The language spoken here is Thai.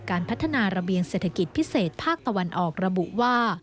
การพัฒนาระเบียงเศรษฐกิจพิเศษภาคตะวันออกระบุว่า